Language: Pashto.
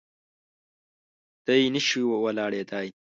دی نه شي ولاړېدای.